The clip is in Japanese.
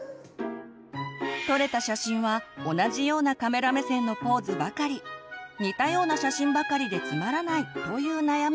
撮れた写真は同じようなカメラ目線のポーズばかり似たような写真ばかりでつまらないという悩みも。